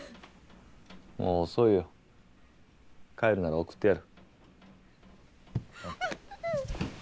もう遅いよ帰るなら送ってやる。